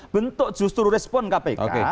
bentuk justru respon kpk